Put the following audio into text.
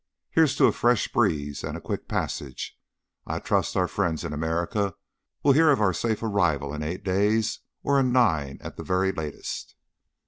Here's to a fresh breeze and a quick passage! I trust our friends in America will hear of our safe arrival in eight days, or in nine at the very latest."